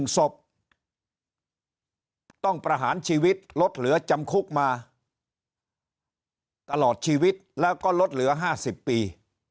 ๑ศพต้องประหารชีวิตลดเหลือจำคุกมาตลอดชีวิตแล้วก็ลดเหลือ๕๐ปี